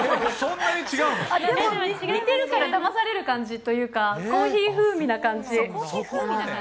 でも似てるからだまされる感じというか、コーヒー風味な感じ。